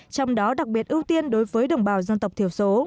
trong đó đặc biệt ưu tiên đối với đồng bào dân tộc thiểu số